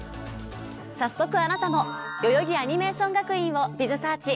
早速あなたも代々木アニメーション学院をｂｉｚｓｅａｒｃｈ。